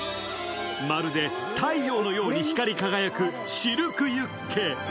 まるで太陽のように光り輝くシルクユッケ。